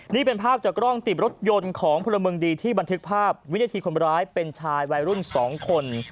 นี่เป็นภาพจากกล้องติดรถยนต์ของพลเมืองดีที่บันทึกภาพวินาทีคนร้ายเป็นชายวัยรุ่น๒คน